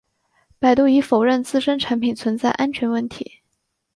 百度已否认自身产品存在安全问题。